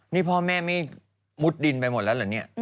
นี่พ่อแม่ไม่มุดดินไปหมดแล้วเหรอเนี่ย